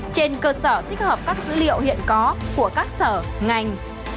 trên cơ sở thích hợp các dữ liệu hiện có của các sở ngành